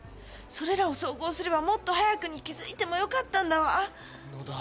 それらを総合すればもっと早くに気付いてもよかったんだわ！